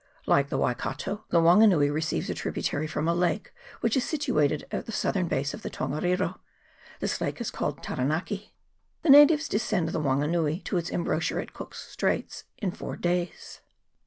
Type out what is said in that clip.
Like the Waikato, the Wanganui receives a tributary from a lake which is situated at the southern base of Tongariro : this lake is called Taranaki. The natives descend the Wanganui to its embouchure at Cook's Straits in four days.